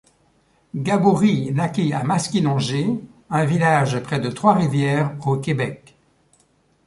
Gaboury naquit à Maskinongé, un village près de Trois-Rivières, au Québec.